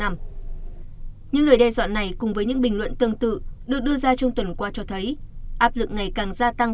những lời đe dọa này cùng với những bình luận tương tự được đưa ra trong tuần qua cho thấy áp lực ngày càng gia tăng